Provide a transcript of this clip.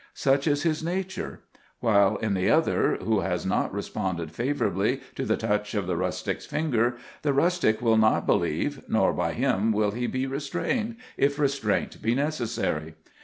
Such is his nature. While in the other, who has not responded favourably to the touch of the rustic's finger, the rustic will not believe, nor by him will he be restrained, if restraint be necessary.